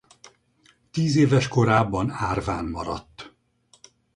Tízéves korában árván maradt.